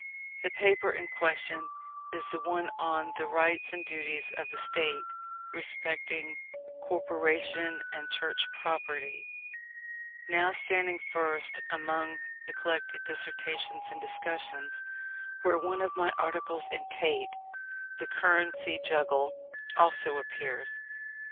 The paper in question is the one on the rights and duties of the State respecting Corporation and Church Property, now standing first among the collected Dissertations and Discussions; where one of my articles in Tait, "The Currency Juggle," also appears.